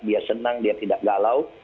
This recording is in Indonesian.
dia senang dia tidak galau